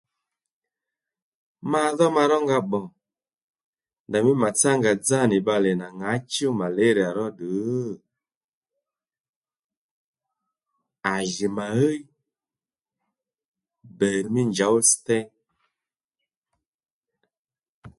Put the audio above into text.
Ma dhó ma rónga pbò ndèymí màtsá ngà dzá nì bbalè nà ŋǎchú màléríyà róddù? À jì mà ɦíy bèr mí njǒw ss̀téy